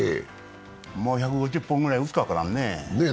もう１５０本ぐらい打つか分からんね。